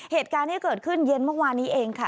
เหตุการณ์ที่เกิดขึ้นเย็นเมื่อวานนี้เองค่ะ